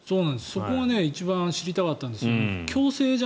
そこが一番知りたかったんです。